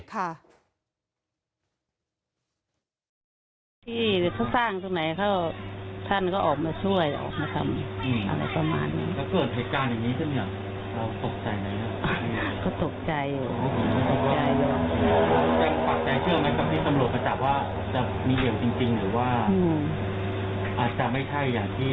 ที่เขาสร้างตรงไหนเขาท่านก็ออกมาช่วยออกมาทำอะไรประมาณนี้